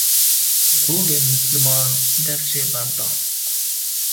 mirovên misliman dev jê berdan.